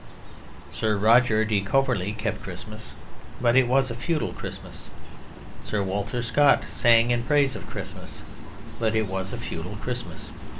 Sir Roger de Coverley kept Christmas; but it was a feudal Christmas. Sir Walter Scott sang in praise of Christmas; but it was a feudal Christmas.